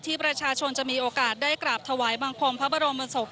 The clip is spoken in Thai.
ประชาชนจะมีโอกาสได้กราบถวายบังคมพระบรมศพ